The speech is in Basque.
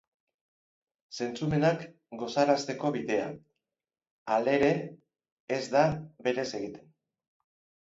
Zentzumenak gozarazteko bidea, halere, ez da berez egiten.